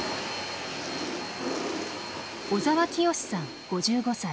小沢清さん５５歳。